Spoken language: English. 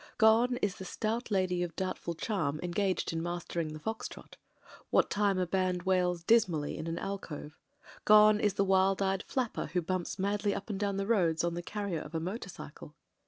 ... Gone is the stout lady of doubtful charm engaged in mastering the fox trot, what time a band wails dis mally in an alcove ; gone is the wild eyed flapper who bumps madly up and down the roads on the carrier of a motor cycle.